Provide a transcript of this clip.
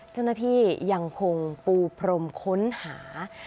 เจ้าหน้าที่ยังคงปูพรมค้นหาร์